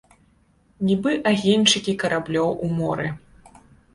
Нібы агеньчыкі караблёў у моры.